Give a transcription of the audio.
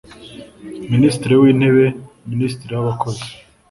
minisitiri w intebe minisitiri w abakozi